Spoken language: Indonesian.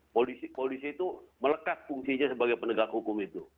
polisi itu melekat fungsinya sebagai penegak hukum itu